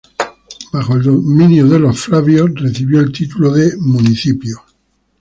Bajo el dominio de los Flavios recibió el título de municipio.